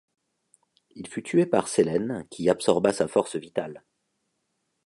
Il fut tué par Sélène, qui absorba sa force vitale.